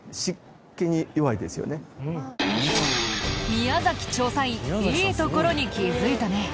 宮調査員いいところに気づいたね。